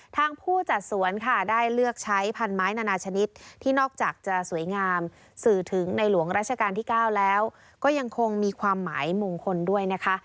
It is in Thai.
ผู้จัดสวนค่ะได้เลือกใช้พันไม้นานาชนิดที่นอกจากจะสวยงามสื่อถึงในหลวงราชการที่๙แล้วก็ยังคงมีความหมายมงคลด้วยนะคะ